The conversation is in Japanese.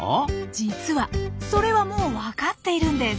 実はそれはもうわかっているんです。